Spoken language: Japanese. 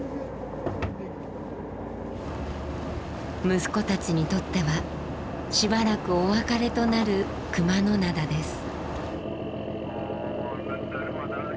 息子たちにとってはしばらくお別れとなる熊野灘です。